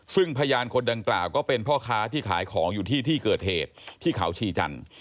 ซึ่งพยานคนดังกล่าวก็เป็นพ่อค้าที่ขายของอยู่ที่ที่เกิดเหตุที่เขาชีจันทร์